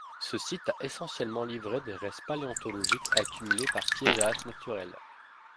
Ce site a essentiellement livré des restes paléontologiques, accumulés par piégeage naturel.